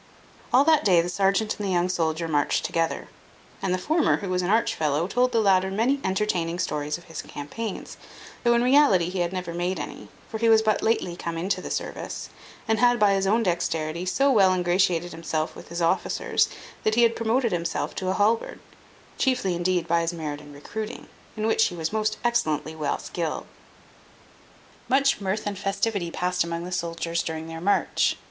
All that day the serjeant and the young soldier marched together; and the former, who was an arch fellow, told the latter many entertaining stories of his campaigns, though in reality he had never made any; for he was but lately come into the service, and had, by his own dexterity, so well ingratiated himself with his officers, that he had promoted himself to a halberd; chiefly indeed by his merit in recruiting, in which he was most excellently well skilled. Much mirth and festivity passed among the soldiers during their march.